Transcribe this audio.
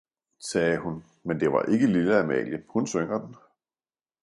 sagde hun, men det var ikke lille Amalie, hun synger den.